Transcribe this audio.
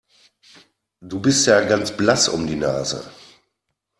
Du bist ja ganz blass um die Nase.